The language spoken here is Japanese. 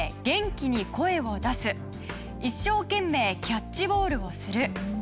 元気に声を出す」「一生けんめいキャッチボールをする」